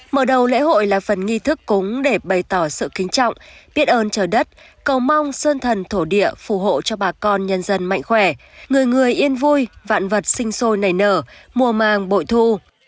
mở đầu lễ hội là phần nghi thức cúng để bày tỏ sự kính trọng biết ơn trời đất cầu mong sơn thần thổ địa phù hộ cho bà con nhân dân mạnh khỏe người người yên vui vạn vật sinh sôi nảy nở mùa màng bội thu